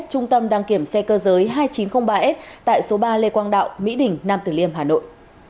trung tâm đăng kiểm xe cơ giới hai nghìn chín trăm linh ba s tại số ba lê quang đạo mỹ đình nam tử liêm hà nội